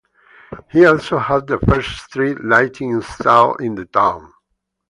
He also had the first street lighting installed in the town.